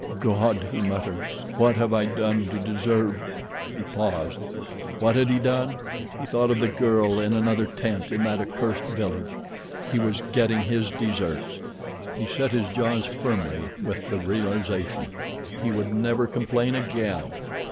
"God!" he muttered, "what have I done to deserve—" He paused. What had he done? He thought of the girl in another tent in that accursed village. He was getting his deserts. He set his jaws firmly with the realization. He would never complain again!